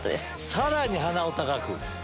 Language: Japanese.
さらに鼻を高く。